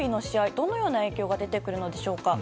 どんな影響が出てくるのでしょうか。